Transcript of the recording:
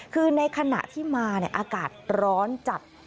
คือในขณะที่มาอากาศร้อนจัด